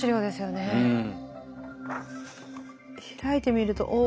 開いてみると。